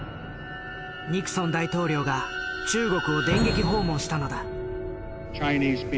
ニクソン大統領が中国を電撃訪問したのだ。